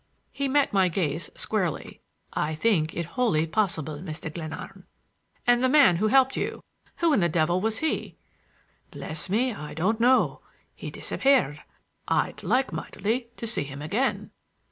He met my gaze squarely. "I think it wholly possible, Mr. Glenarm." "And the man who helped you—who in the devil was he?" "Bless me, I don't know. He disappeared. I'd like mightily to see him again."